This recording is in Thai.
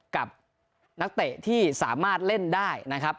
กับนักเตะที่สามารถเล่นได้นะครับ